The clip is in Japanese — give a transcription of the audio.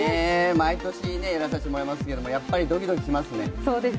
毎年やらさせてもらっていますけど、やっぱりドキドキしますね。